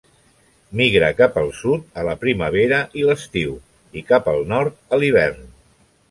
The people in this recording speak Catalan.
Migra cap al sud a la primavera i l'estiu, i cap al nord a l'hivern.